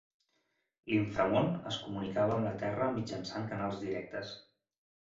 L'Inframón es comunicava amb la terra mitjançant canals directes.